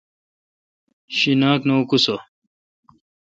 شیناک نہ اکوسہ۔